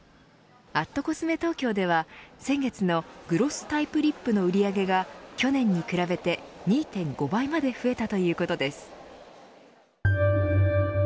＠ｃｏｓｍｅＴＯＫＹＯでは先月のグロスタイプリップの売り上げが去年に比べて２．５倍まで増えたということです。